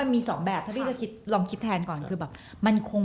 ไม่มีทางไม่ปิดหรอกแต่พอปิดเสร็จก็เอาเช็นน้ำตากูหน่อยละกัน